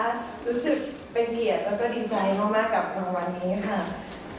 รู้สึกเป็นเกียรติแล้วก็ดีใจมากกับรางวัลนี้ค่ะ